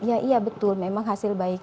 ya iya betul memang hasil baik